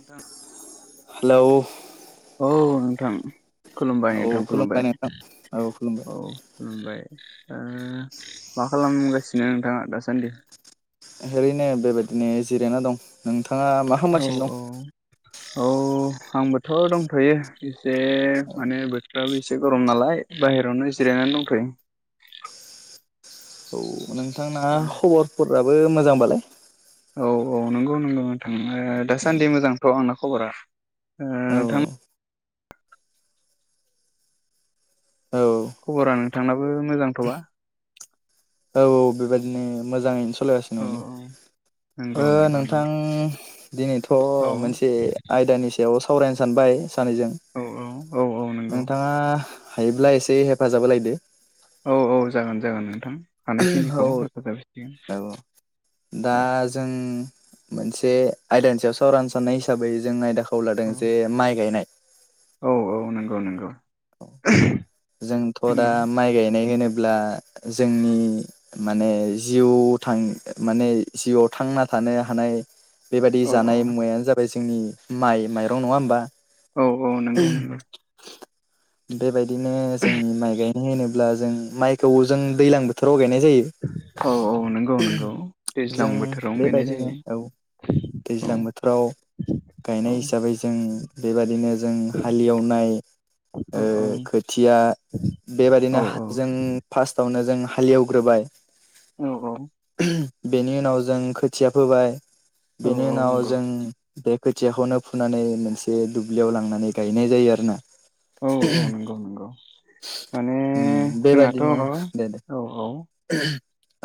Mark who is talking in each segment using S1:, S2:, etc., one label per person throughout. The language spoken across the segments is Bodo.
S1: नोंथां
S2: हेलौ।
S1: औ नोंथां। खुलुमबाय
S2: औ
S1: नोंथां खुलुमबाय
S2: नोंथां खुलुमबाय
S1: औ खुलुमबाय। ओ मा खालामगासिनो नोंथाङा दासान्दि?
S2: ओरैनो बेबायदिनो जिरायना दं, नोंथाङा मा
S1: औ
S2: खालामगासिनो
S1: औ
S2: दं?
S1: औ। आंबोथ' दंथ'यो एसे माने बोथोराबो एसे गरम नालाय बाहेरायावनो एसे। जिरायनानैय दंथयो।
S2: [inaudible] औ नोंथांना खबरफोराबो मोजांबालाय।
S1: औ औ नंगौ नोंगौ नोंथां दासान्दि मोजांथ' आंना खबरा। ओ
S2: औ
S1: नोंथां।
S2: औ
S1: खबरा नोंथांनाबो मोजांथ'बा।
S2: औ औ बेबायदिनो मोजाङैनो स। सालायगासिनो
S1: औ
S2: दं। ओ
S1: नंगौ नंगौ
S2: नोंथां।
S1: नंगौ
S2: दिनैथ'
S1: औ
S2: मोनसे आयदानि सायाव सावरायनो सानबाय। सानैजों
S1: औ औ औ औ नंगौ
S2: नोंथाङा हायोब्ला एसे हेफाजाब होलायदो।
S1: औ औ जागोन जागोन नोंथां
S2: औ
S1: हानायखिनिखौ हेफाजाब होगोन।
S2: औ दा जों। मोनसे आयदानि सायाव सावरायनो साननाय हिसाबै जों आयदाखौ लादों
S1: औ
S2: जे माइ गायनाय।
S1: औ औ नंगौ नंगौ।
S2: जोंथ' दा
S1: नंगौ
S2: माइ गायनो होनोब्ला जोंनि माने जिउ थां माने थांना थानो हानाय बेबायादि
S1: औ औ
S2: जानाय मुवायानो जाबाय जोंनि माइ माइरं नङा होनबा।
S1: औ औ नंगौ नंगौ।
S2: बेबायदिनो जोंनि माइ गायनाय होनोब्ला जों माइखौ जों दैज्लां बोथोराव
S1: औ औ नंगौ
S2: गायनाय
S1: नंगौ दैज्लां
S2: जों
S1: बोथोरावनो गायनाय
S2: बेबायदिनो
S1: जायो
S2: औ।
S1: औ
S2: दैज्लां बोथोराव।
S1: औ
S2: गायनाय हिसाबै जों बेबादिनो जों हालेवनाय
S1: औ
S2: ओ। खुथिया
S1: औ
S2: बेबायादिनो जों फारस्तावनो जों हालेवग्रोबाय बेनि उनाव जों खोथिया फोबाय
S1: औ
S2: बेनि
S1: औ
S2: उनाव
S1: नंगौ
S2: जों बे खोथियाखौनो फुनानै मोनसे दुब्लियाव लांनानै गायनाय जायो आरो ना
S1: औ औ
S2: [unintelligible]
S1: नंगौ नंगौ माने जोंहाथ'
S2: बेबादिनो दे दे
S1: औ औ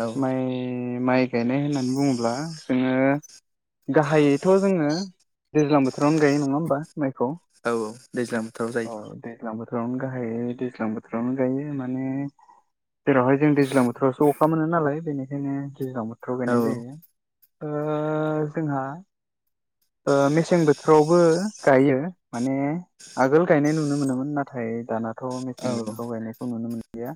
S2: औ
S1: माइ माइ गायनाय होननानै बुङोब्ला जोंङो गाहायैथ' जोंङो दैज्लां बोथोरावनो गायो नोंङा होमबा मायखौ
S2: औ दैज्लां बोथोराव जायो
S1: अ दैज्लां बोथोराव बोथोरावनो गाहायै दैज्लां बोथोरावनो गायो माने जेरावहाय जों दैज्लां बोथोरावसो अखा मोनो नालाय बेनिखायनो दैज्लां बोथोराव
S2: औ
S1: गायनाय जायो‌ ओ जोंहा ओ मेसें बोथोरावबो गायो माने आगोल गायनाय नुनो मोनोमोन नाथाय ओमफ्राय दानाथ' मेसें
S2: औ
S1: बोथोराव गायनायखौ नुनो मोनलिया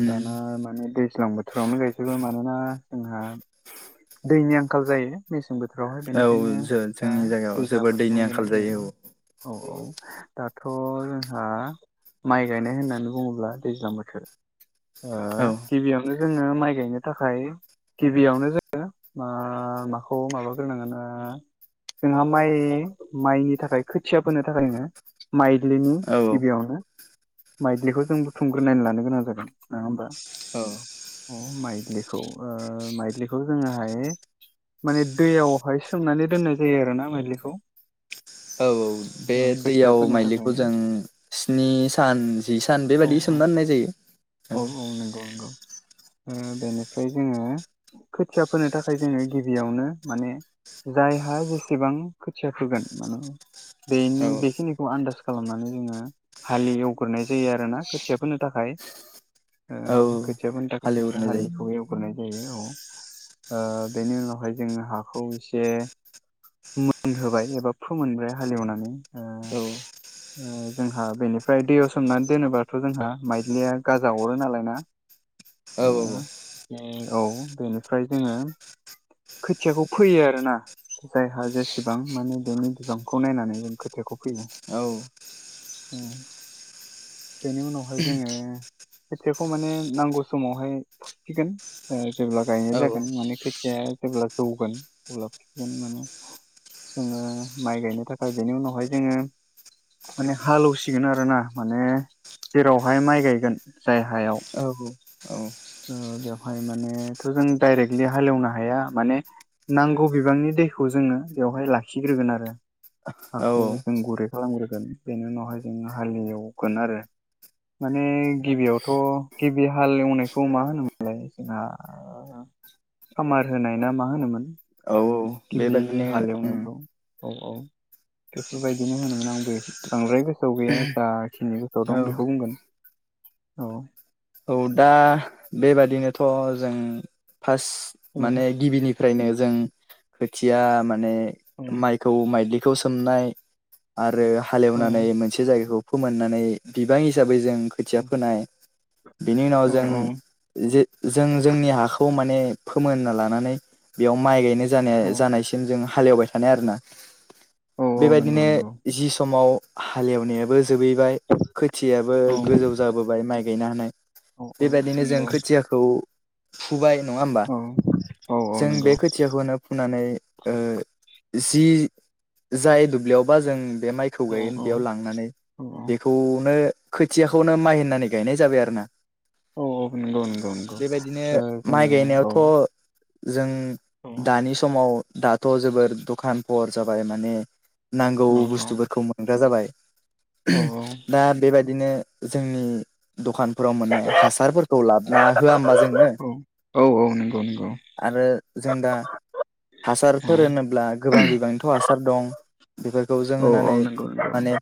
S2: उम
S1: दाना माने दैज्लां बोथोर बोथोरावनो गायजोबो मानोना जोंहा दैनि आंखाल जायो मेसें बोथोर बोसोरफ्रावहाय
S2: औ
S1: बेनिखायनो
S2: जो
S1: दा
S2: जोंनि जायगायाव
S1: दैज्लां
S2: जोबोद दैनि
S1: बोथोराव
S2: आंखाल
S1: गायनाय
S2: जायो औ
S1: जायोऔ औ दाथ' जोंहा माइ गायनाय होननानै बुङोब्ला दैज्लां बोथोर ओ
S2: औ
S1: गिबियावनो जोंङो माइ गायनो थाखाय गिबियावनो जोंङो मा माखौ माबाग्रोनांगोन जोंहा माइ माइनि थाखाय खोथिया फोनो थाखाय नोंङो माइ माइलिनि गिबियावनो माइलिखौ जों बुथुमग्रोनानै लानो गोनां जागोन नङा होमबा
S2: औ
S1: अ माइग्लिलिखौ माइग्लिलिखौ जोङोहाय माने दैयावहाय सोमनानै दोननाय जायो आरोना मैलिखौ
S2: औ औ बे दैयाव
S1: थाखाय
S2: माइलिखौ जों स्नि सान जि सान
S1: औ
S2: बेबायदि स
S1: औ
S2: सना होननाय जायो
S1: औ औन दनो बेनिफ्राय जोङो खोथिया फोनो थाखाय जोङो गिबियावनो माने जायहा जेसेबां खोथिया फोगोन मान बेनि
S2: औ
S1: बेखिनिखौ आन्दाज खालामनानै जोङो हाललि एवग्रोनाय जायो आरोना खोथियाफोरनो थाखाय [unintelligible]
S2: औ
S1: नि थाखाय जों
S2: हालेवग्रोनाय जायो
S1: हाखौ एव गुरनाय जायो औ बेनि उनावहाय जोङो हाखौ एसे फ मोनहोबाय एबा फोमोनब्रबाय हालेवनानै
S2: औ
S1: जोंहा बेनिफ्राय दैयाव सोमनानै दोनोबाथ' जोंहा माइलिया गाजा अरो नालाय ना
S2: औ
S1: औ बेनिफ्राय जोङो खोथियाखौ फैयो आरो ना जायहा जेसेबां माने बेनि बिबांखौ नायनानै जों खोथियाखौ फैयो।
S2: औ
S1: बेनि उनावहाय जोङो खोथियाखौ माने नांगौ समावहाय फुसिगोन जेब्ला गायनाय
S2: औ
S1: जागोन माने खोथिाया जेब्ला जौगोन अब्ला फुसिगोन माने जोङो माइ गायनो थाखाय बेनि उनावहाय जोङो माने हालेवसिगोन आरो ना माने जेरावहाय माइ गायगोन जाय हायाव
S2: औ औ
S1: बेवहाय मानेथ' जों डायरेक्टलि हालेवनो हाया माने नांगौ बिबांनि दैखौ जोङो बेवहाय लाखिग्रोगोन आरो।
S2: औ
S1: हाखौ
S2: औ
S1: जों गुरै खालामग्रोगोन बेनि उनावहाय जोङो हालेवगोन आरो। माने गिबियावथ' गिबि हाल एवनायखौ मा होनोमोनलाय जोंहा खामार होनायना माहोनोमोन
S2: औ औ
S1: गिबि
S2: बेबादिनो उम
S1: हालेवनायखौ। औ औ। बेफोरबायदिनो होनोमोन आंबो एस बांद्राय गोसोआव गैया जाखिनि
S2: औ
S1: गोसोआवदं बेखौ बुंगोन। औ।
S2: औ दा बेबादिनोथजों फासत
S1: औ
S2: माने गिबिनि। फ्रायनो जों खोथिया माने
S1: औ
S2: माइखौ माइग्लि। खौ सोमनाय आरो
S1: औ
S2: हालेवनानै मोनसे जायगाखौ फोमोननानै बिबां हिसाबै। जों खोथिया फोनाय बिनि
S1: औ
S2: उनावजों जे जों जोंनि हाखौ माय माने फोमोनना लानानै बेयाव माइ गायनो जानाय
S1: औ
S2: जानायसिम जोंङो हालेवबायथानाय आरोना
S1: औ औ नंगौ
S2: बेबायदिनो
S1: नंगौ
S2: जि समाव हालेवनायाबोज जोबैबाय खोथियाबो
S1: औ
S2: गोजौ जाबोबाय माइ गायनो हानाय।
S1: औ औ
S2: बेबायदिनोजों
S1: नंगौ
S2: खोथियाखौ फुबाय। नङाहोमबा
S1: औ औ औ
S2: जों
S1: नंगौ
S2: बे खोथियाखौनो फुनानै। ओह जि जाय दुब्लियावबा जों। बे माइखौ
S1: औ
S2: गायगोन
S1: औ
S2: बेयाव लांनानै
S1: औ औ
S2: बेखौनो। खोथियाखौनो माइ होननानै गायनायजाबाय आरोना।
S1: औ औ नंगौ नंगौ नंगौ
S2: बेबायदिनो माइ
S1: ओ
S2: गायनायावथ। जों
S1: जोङो
S2: दानि समाव दाथ जोबोर दखानफर जाबाय माने। नांगौ
S1: औ
S2: बुसथुफोरखौ मोनग्रा जाबाय।
S1: औ
S2: उम दा बेबायदिनो जोंनि दखानफ्रोम। हासारफोरखौ लाबना होआ ओमबा जोङो।
S1: औ औ नंगौ नंगौ
S2: आरो जोंदा।
S1: औ
S2: हासारफोर होनोब्ला गोबां बिबांनिथ हासारदं। बेफोरखौ जों
S1: औ औ
S2: होनानै
S1: नंगौ
S2: माने
S1: नंगौ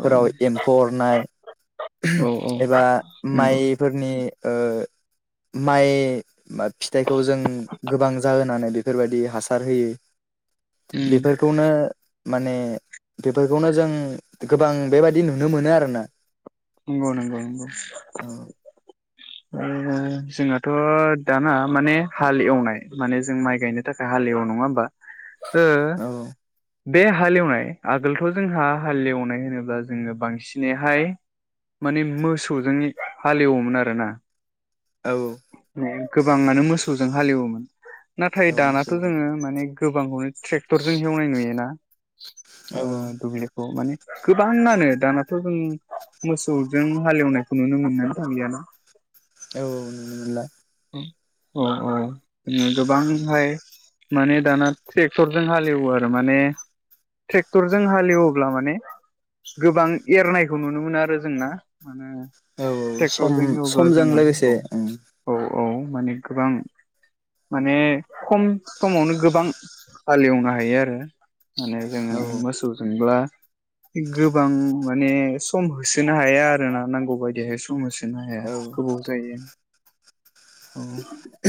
S1: औ
S2: एम्फौ अरनाय।
S1: औ औ।
S2: एबा
S1: नंगौ
S2: माइफोरनि ओह। माइ बा फिथाइखौजों गोबां जाहोनानै बेफोरबायदि हासार होयि।
S1: उम
S2: बेफोरखौनो। माने बेफोरखौनो जों गोबां बेबादि नुनो मोनो आरोना।
S1: नंगौ नंगौ नंगौ नंगौ।
S2: औ
S1: ओह जोंहाथ दाना माने हालएवनाय माने जों माइ गायनो थाखाय हाल लेवो नङा होमबा ओ
S2: औ
S1: बे हालेवनाय आगोलथ जोंहा हालेवनाय होनोब्ला जोङो बांसिनैहाय। माने मोसौजों हालेवोमोन आरोना।
S2: औ।
S1: उम गोबाङानो मोसौजों हालेवोमोन नाथाय
S2: औ मोसौ
S1: दानाथ जोङो माने गोबांखौनो। ट्रेक्टरजों हेवनाय नुयोना।
S2: औ
S1: ओह
S2: औ
S1: दुब्लिखौ माने गोबाङानो दानाथ जों। मोसौजों हालेवनायखौ नुनो मोननो थांलियाना।
S2: औ नुनोमोनला।
S1: औ औ [unintelligible] गोबांहाय। माने दाना ट्रेक्टरजों हालेवो आरो माने ट्रेक्टरजों हालेवोब्ला माने गोबां एरनायखौ नुनो मोनो आरो जोंना। मानो
S2: औ सम समजों
S1: ट्रेक्टरजों
S2: लोगोसे
S1: [unintelligible]
S2: उम
S1: औ औ माने गोबां। माने खम समावनो गोबां हालेवनो हायो आरो। माने जोङो
S2: औ
S1: मोसौजोंब्ला गोबां माने सम होसोनो हाया आरोना नांगौ बायदिहाय सम होसो होनो हाया गोबावजायो। औ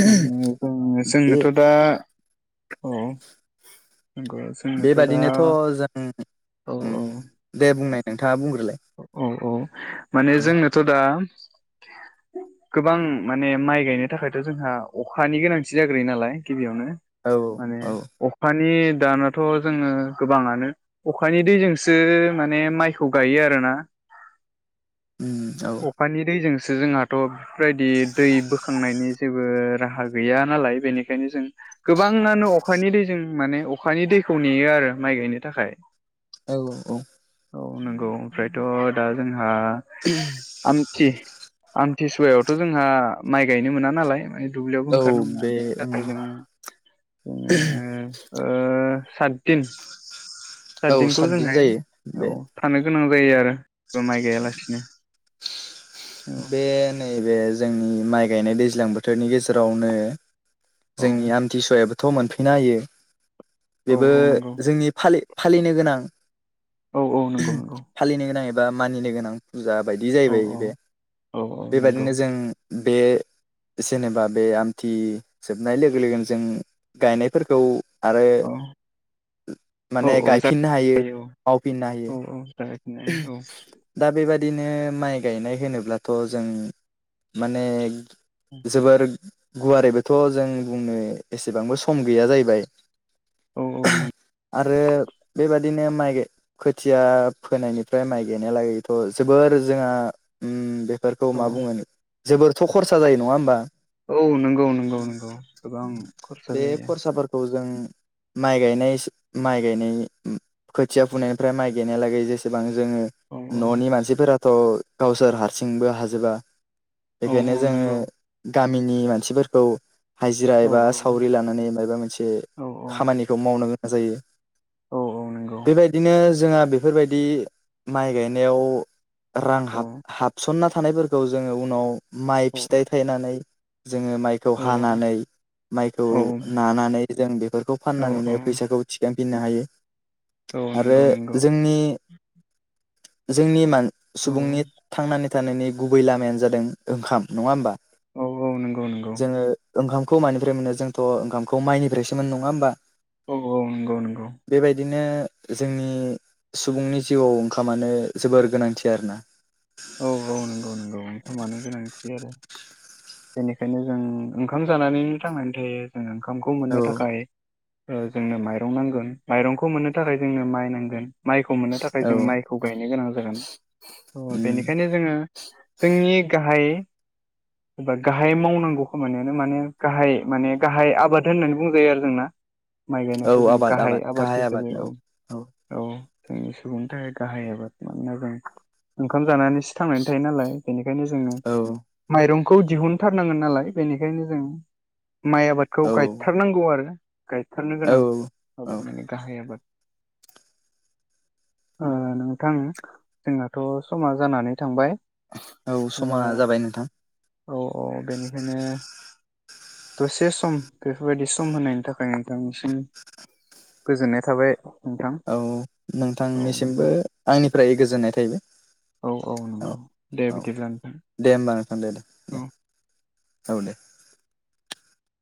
S1: माने जोंङो
S2: बे
S1: जोंनोथ दा औ। नंगौ जोंनोथ' दा
S2: बेबादिनोथ'
S1: औ
S2: जों
S1: औ
S2: दे बुंनाय नोंथाङा बुंग्रोलाय
S1: औ औ माने
S2: औ
S1: जोंनोथ' दा
S2: [inaudible]
S1: गोबां माने माइ गायनो थाखायथ' जोंहा अखानि गोनांथि जाग्रोयो नालाय गिबियावनो
S2: औ
S1: माने
S2: औ
S1: अखानि दानाथ' जोङो गोबाङानो अखानि दैजोंसो माने माइखौ गायो आरो ना।
S2: उम औ
S1: अखानि दैजों सो जोंहाथ' बेफोरबायदि दै बोखांनायनि जेबो राहा गैया नालाय बेनिखायनो जों गोबाङानो अखानि दैजों माने अखानि दैखौ नेयो आरो माइ गायनो थाखाय।
S2: औ औ औ।
S1: औ नंगौ ओमफ्रायथ' दा जोंहा
S2: [unintelligible]
S1: आमथि आमथि सुवायावथ' जोंहा माइ गायनो मोना नालाय माने दुब्लियावबो
S2: औ
S1: ओंखारनो मोना
S2: बे
S1: बेनि
S2: उम
S1: थाखाय जों जोङो ओ सातदिन
S2: औ
S1: सातदिनखौ
S2: सातदिन
S1: जोंहाय
S2: जायो बे
S1: औ थानो गोनां जायो आरो माइ गायालासिनो औ
S2: बे नैबे जोंनि माइ गायनाय दैज्लां बोथोरनि गेजेरावनो
S1: औ
S2: जोंनि आमथिसुवायाबोथ' मोनफैनो हायो
S1: औ
S2: बेबो
S1: औ नंगौ
S2: जोंनि फालि फालिनो गोनां
S1: औ औ नंगौ नंगौ।
S2: बा मानिनो गोनां फुजा बायदि
S1: औ
S2: जाहैबाय
S1: औ
S2: बे
S1: औ औ नंगौ।
S2: बेबायदिनो जों बे जेनेबा बे आमथि जोबनाय लोगो लोगोन जों गायनायफोरखौ, आरो
S1: औ औ
S2: माने
S1: औ
S2: गायफिननो हायो
S1: जायो
S2: मावफिननो हायो।
S1: उम जागायफिननो औ
S2: बेबायदिनो माइ गायनाय होनोब्लाथ' जों माने, जोबोर गुवारैबोथ' जों बुंनो एसेबांबो सम गैया जाहैबाय,
S1: औ औ
S2: [unintelligible] आरो बेबादिनो माइ गाय खोथिया, फोनायनिफ्राय माइ गायनाय लागैथ' जोबोर जोंहा ओम बे फोरखौ
S1: नंगौ
S2: मा बुङो जोबोरथ' खरसा जायो नङा होमबा,
S1: औ नंगौ नंगौ नंगौ गोबां खरसा
S2: बे
S1: जायो।
S2: खरसाफोरखौ जों माइ गायनाय माइ गायनाय खोथिया फुनायनिफ्राय माइ गायनाय लागै एसेबां जोङो
S1: औ औ
S2: न'नि मानसिफोराथ' गावसोर हारसिंबो हाजोबा
S1: औ
S2: बेखायनो
S1: औ
S2: जोङो
S1: नंगौ
S2: गामिनि मानसिफोरखौ, हाजिरा
S1: औ
S2: एबा
S1: औ
S2: सावरि लानानै माबा मोनसे
S1: औ
S2: खामानिखौ मावनो गोनां जायो।
S1: औ औ नंगौ
S2: बेबायदिनो जोंहा बेफोरबायदि दि माइ गायनायाव रां
S1: औ
S2: हाब हाबसनना थानायफोरखौ जोङो उनाव, माइ
S1: औ औ
S2: फिथाइ थायनानै जोङो माइखौ
S1: औ
S2: हानानै, माइखौ
S1: औ
S2: नानानै जों बेफोरखौ
S1: औ
S2: फाननानैनो फैसाखौ थिखां फिनो हायो
S1: औ
S2: आरो
S1: नंगौ नंगौ
S2: जोंनि, जोंनि मान
S1: औ
S2: सुबुंनि थांनानै थानायनि गुबै लामायानो जादों ओंखाम नङा होमबा,
S1: औ औ नंगौ नंगौ।
S2: जोङो ओंखामखौ मानिफ्राय मोनो जोंथ' ओंखामखौ माइनिफ्रायसो मोनो नङा होमबा,
S1: औ औ नंगौ नंगौ,
S2: बेबायदिनो जोंनि सुबुंनि जिउआव ओंखामानो जोबोर गोनांथि आरोना?
S1: औ औ नंगौ नंगौ ओंखामानो गोनांथि आरो बेनिखायनो जों ओंखाम जानानैनो थांनानै थायो जों ओं ओंखामखौ मोननो
S2: औ
S1: थाखाय जोंनो माइरं नांगोन माइरंखौ मोननो थाखाय जोंनो माइ नांगोन, माइखौ मोननो थाखाय जों
S2: औ
S1: माइखौ गायनो गोनां जागोन औ बेनि
S2: उम
S1: बेखायनो जोङो जोंनि गाहाय,
S2: [inaudible]
S1: एबा गाहाय मावनांगौ खामानियानो माने गाहाय माने गाहाय आबाद होननानै बुंजायो आरो जोंना माइ गायनायखौ जों गाहाय आबाद हिसाबै औ औ जोंनि सुबुंनि थाखाय गाहाय आबाद मानोना जों ओंखाम जानानै थि थांनानै थायो नालाय बेनिखायनो जोङो
S2: औ
S1: माइरं खौ दिहुनथारनांगोन नालाय बेनिखायनो जों माइ आबादखौ गायथारनांगौ आरो गायथारनो
S2: औ
S1: गोनां
S2: औ
S1: आबाद माने गाहाय आबाद ओ नोंथां जोंहाथ' समा जानानै, थांबाय ओ
S2: औ समा जाबाय नोंथां
S1: औ औ बेनिखायनो, दसे सम बेफोरबायदि सम होनायनि थाखाय नोंथांनिसिम, गोजोननाय थाबाय। नोंथां
S2: औ
S1: औ
S2: नोंथांनिसिमबो
S1: नोंथां
S2: आंनिफ्राय गोजोननाय थायैबाय,
S1: औ औ नंगौ दे बिदिबा नोंथां
S2: दे होमबा नोंथां दे दे दे
S1: औ
S2: औ दे